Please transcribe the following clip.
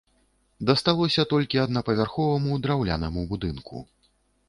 Дасталася толькі аднапавярховаму драўлянаму будынку.